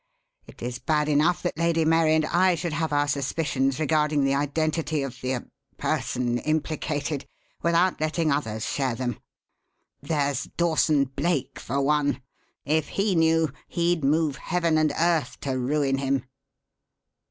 It is bad enough that Lady Mary and I should have our suspicions regarding the identity of the er person implicated without letting others share them. There's Dawson Blake for one. If he knew, he'd move heaven and earth to ruin him."